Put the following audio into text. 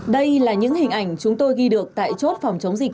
đây là những hình ảnh chúng tôi ghi được tại chốt phòng chống dịch